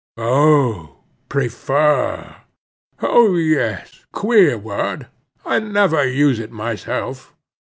"Oh, prefer? oh yes—queer word. I never use it myself.